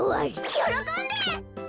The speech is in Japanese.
よろこんで！